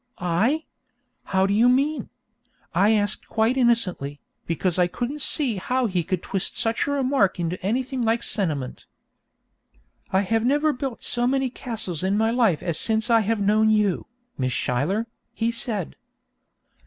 'I? How do you mean?' I asked quite innocently, because I couldn't see how he could twist such a remark as that into anything like sentiment. 'I have never built so many castles in my life as since I've known you, Miss Schuyler,' he said.